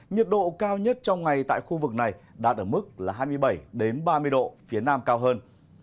nhiệt độ cao nhất trong ngày tại khu vực này đạt ở mức hai mươi bảy ba mươi độ phía nam cao hơn